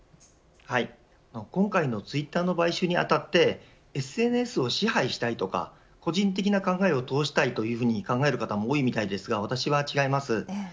今回のツイッターの買収にあたってＳＮＳを支配したいとか個人的な考えを通したいというふうに考える方も多いですが、私は違います。